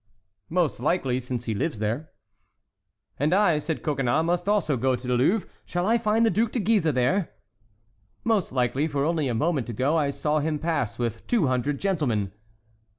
"Most likely, since he lives there." "And I," said Coconnas, "must also go to the Louvre. Shall I find the Duc de Guise there?" "Most likely; for only a moment ago I saw him pass with two hundred gentlemen."